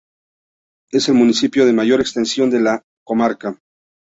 Es el municipio de mayor extensión de la comarca.